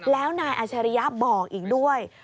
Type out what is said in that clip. แล้วนายอัชริยะบอกอีกด้วย